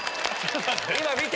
今見て！